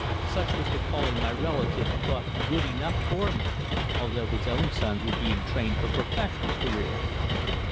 Such was the calling my relative thought good enough for me, although his own sons were being trained for professional careers.